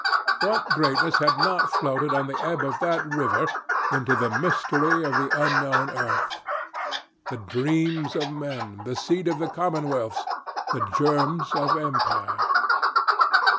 What greatness had not floated on the ebb of that river into the mystery of an unknown earth! ... The dreams of men, the seed of commonwealths, the germs of empires.